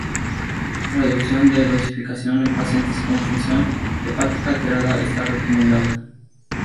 Reducción de dosificación en pacientes con función hepática alterada está recomendada.